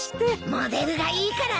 モデルがいいからね。